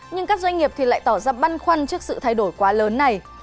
nhưng các doanh nghiệp thì lại tỏ ra băn khoăn trước sự thay đổi quá lớn này